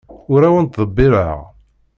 Ur awent-ttḍebbileɣ.